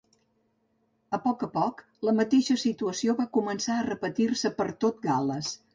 A poc a poc la mateixa situació va començar a repetir-se per tot Gal·les.